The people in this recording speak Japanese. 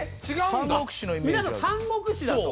皆さん三国志だと？